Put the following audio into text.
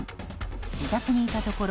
自宅にいたところ